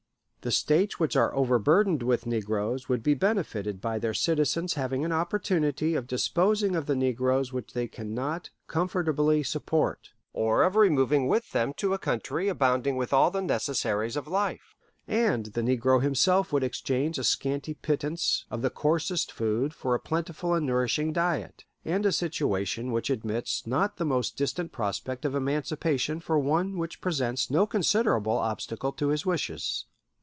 "The States which are overburdened with negroes would be benefited by their citizens having an opportunity of disposing of the negroes which they can not comfortably support, or of removing with them to a country abounding with all the necessaries of life; and the negro himself would exchange a scanty pittance of the coarsest food for a plentiful and nourishing diet, and a situation which admits not the most distant prospect of emancipation for one which presents no considerable obstacle to his wishes."